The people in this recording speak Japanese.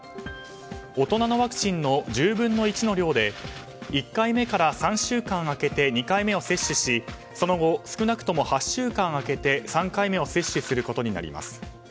大人のワクチンの１０分の１の量で１回目から３週間空けて２回目を接種しその後、少なくとも８週間空けて３回目を接種することになります。